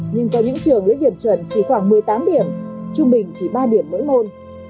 nhưng có những trường lấy điểm chuẩn chỉ khoảng một mươi tám điểm trung bình chỉ ba điểm mỗi môn